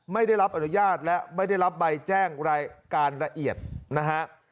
ไม่ได้รับอนุญาตและไม่ได้รับใบแจ้งรายการละเอียดนะฮะ